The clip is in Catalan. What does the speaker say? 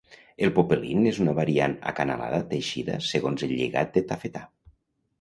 El popelín és una variant acanalada teixida segons el lligat de tafetà.